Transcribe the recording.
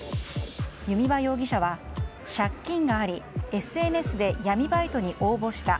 弓場容疑者は、借金がありＳＮＳで闇バイトに応募した。